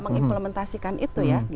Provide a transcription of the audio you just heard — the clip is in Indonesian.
sudah mengimplementasikan itu ya